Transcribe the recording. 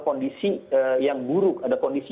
kondisi yang buruk ada kondisi